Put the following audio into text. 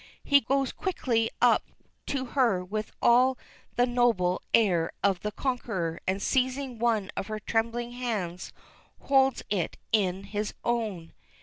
He goes quickly up to her with all the noble air of the conqueror, and seizing one of her trembling hands holds it in his own.